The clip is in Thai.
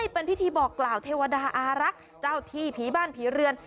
เป็นพิธีบอกกล่าวเทวดาอารักษ์เจ้าที่ผีบ้านผีเรือน